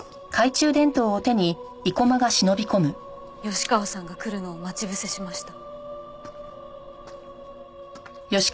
吉川さんが来るのを待ち伏せしました。